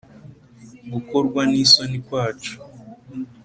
gukorwa n isoni kwacu